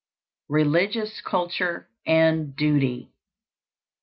RELIGIOUS CULTURE AND DUTY.